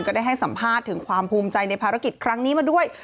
ได้ให้สัมภาษณ์ถึงความภูมิใจในภารกิจครั้งนี้มาด้วย